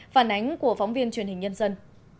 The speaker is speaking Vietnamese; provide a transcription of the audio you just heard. phản ánh của phóng viên truyền hình nhân dân